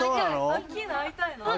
アッキーナ会いたいな。